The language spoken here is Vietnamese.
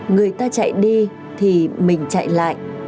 người ta chạy đi thì mình chạy lại